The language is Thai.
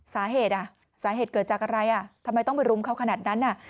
สาเหตุอ่ะสาเหตุเกิดจากอะไรอ่ะทำไมต้องไปรุมเขาขนาดนั้นน่ะ